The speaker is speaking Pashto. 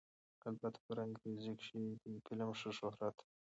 البته په انګرېزۍ کښې دې فلم ښۀ شهرت